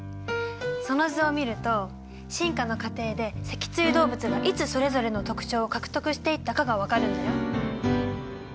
その図を見ると進化の過程で脊椎動物がいつそれぞれの特徴を獲得していったかが分かるんだよ。